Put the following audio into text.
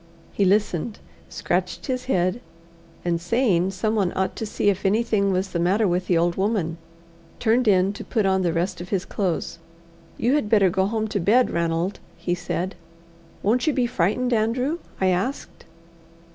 He listened, scratched his head, and saying someone ought to see if anything was the matter with the old woman, turned in to put on the rest of his clothes. "You had better go home to bed, Ranald," he said. "Won't you be frightened, Andrew?" I asked.